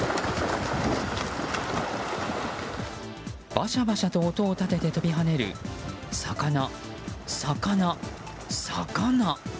バシャバシャと音を立てて飛び跳ねる魚、魚、魚。